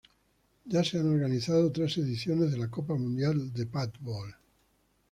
Ya se han organizado tres ediciones de la Copa Mundial de Padbol.